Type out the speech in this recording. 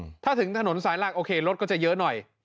เอ้อถ้าถึงถนนสายหลักจะเยอะหน่อย